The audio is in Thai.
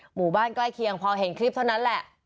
หมู่บ้านใกล้เคียงพอเห็นคลิปเท่านั้นแหละ